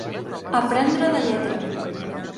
Aprendre de lletra.